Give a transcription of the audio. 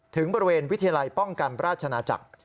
ถึงบริเวณวิทยาลัยป้องกันราชนาจักร